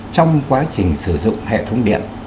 trong quá trình sử dụng hệ thống điện